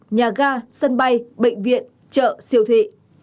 nhà ga sân bay bệnh viện chợ siêu thị